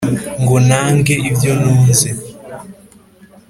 Ngo ntange ibyo ntunze.